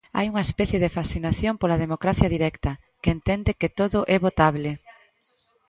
Hai unha especie de fascinación pola democracia directa, que entende que todo é votable.